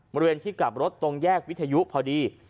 บริเวณที่กลับรถตรงแยกวิทยุพอดี